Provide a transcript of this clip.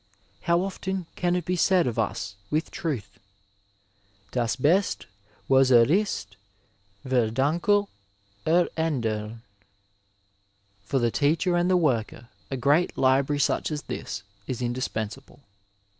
How often can it be said of us with truth, *' Daa beste was er ist vefdankt er Andem I " For the teacher and the worker a great library such as this is indispensable.